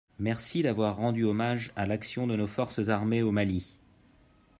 Merci d’avoir rendu hommage à l’action de nos forces armées au Mali.